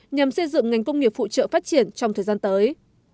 nhằm xây dựng ngành công nghiệp phụ trợ phát triển trong thời gian tới